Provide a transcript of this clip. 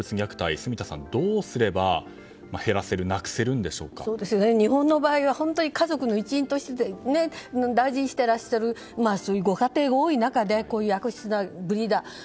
住田さん、どうすれば日本の場合は家族の一員として大事にしていらっしゃるご家庭が多い中でこういう悪質なブリーダー。